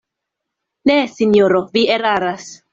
Ne, sinjoro, vi eraras.